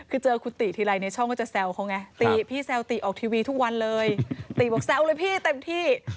คือเจอคุณติทีไรในช่องก็จะแซวเขาไงติพี่แซวติออกทีวีทุกวันเลยติบอกแซวเลยพี่เต็มที่